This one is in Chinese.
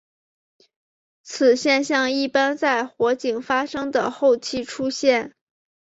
此现象一般在火警发生的后期出现。